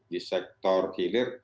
di sektor hilir